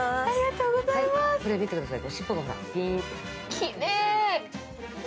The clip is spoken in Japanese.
きれい。